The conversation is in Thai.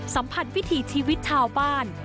สัมผัสวิถีชีวิตชาวบ้าน